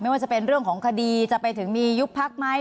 ว่าจะเป็นเรื่องของคดีจะไปถึงมียุบพักไหม